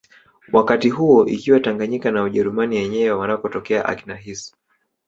Wakati huo ikiwa Tanganyika na Ujerumani yenyewe wanakotokea akina Hiss